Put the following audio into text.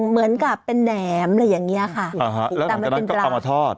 เหมือนกับเป็นแหนมอะไรอย่างนี้ค่ะแล้วเหมือนกันก็เอามาทอด